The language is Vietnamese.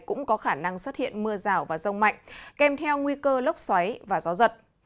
cũng có khả năng xuất hiện mưa rào và rông mạnh kèm theo nguy cơ lốc xoáy và gió giật